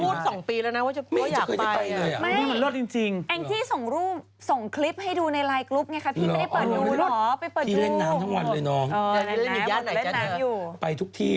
มดอำพูดสองปีแล้วนะว่าจะอยากไป